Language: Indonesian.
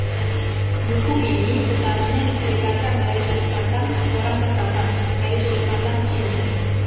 Buku ini utamanya diceritakan dari sudut pandang orang pertama, dari sudut pandang Chiun.